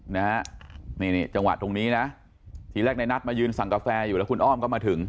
นะฮะนี่นี่จังหวะตรงนี้นะทีแรกในนัดมายืนสั่งกาแฟอยู่แล้วคุณอ้อมก็มาถึง